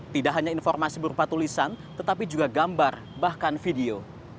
tidak hanya informasi berupa tulisan tetapi juga gambar bahkan video